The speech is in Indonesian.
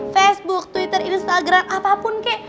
facebook twitter instagram apapun kek